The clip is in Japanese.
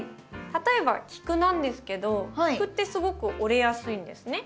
例えばキクなんですけどキクってすごく折れやすいんですね。